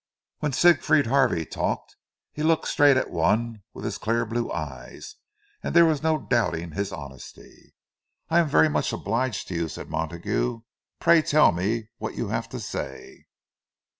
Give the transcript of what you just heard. When Siegfried Harvey talked, he looked straight at one with his clear blue eyes, and there was no doubting his honesty. "I am very much obliged to you," said Montague. "Pray tell me what you have to say."